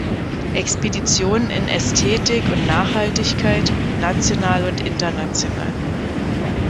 Expeditionen in Ästhetik und Nachhaltigkeit" national und international.